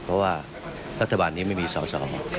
เพราะว่ารัฐบาลนี้ไม่มีสอสอ